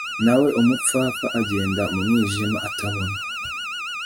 na we umupfapfa agenda mu mwijima atabona